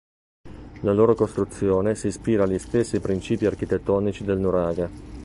La loro costruzione si ispira agli stessi principi architettonici del nuraghe.